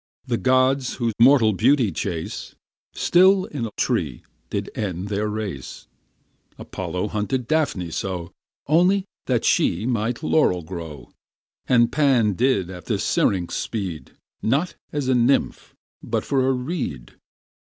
The gods, that mortal beauty chase, Still in a tree did end their race: Apollo hunted Daphne so, Only that she might laurel grow; And Pan did after Syrinx speed, Not as a nymph, but for a reed.